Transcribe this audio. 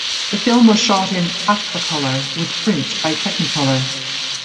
The film was shot in Agfacolor with prints by Technicolor.